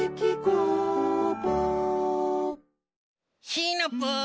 シナプー！